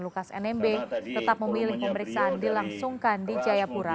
lukas nmb tetap memilih pemeriksaan dilangsungkan di jayapura